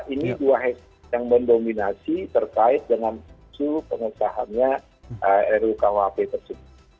ini dua hashtag yang mendominasi terkait dengan isu pengesahannya rukuhp tersebut